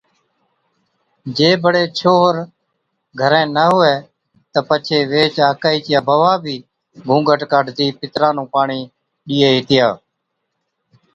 جي بڙي ڇوھري (مرد) گھرين نہ ھُوِي تہ پڇي ويھِچ آڪھِي چِيا بھوا بِي گھُونگھٽ ڪاڍتِي پِتران نُون پاڻِي ڏِيئَي ھِتيا